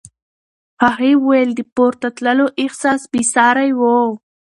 هغې وویل د پورته تللو احساس بې ساری و.